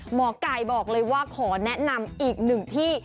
หมอไก่บอกเลยว่าขอแนะนำอีกหนึ่งที่